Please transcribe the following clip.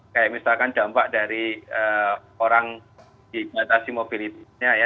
kayak misalkan dampak dari orang dibatasi mobilitasnya ya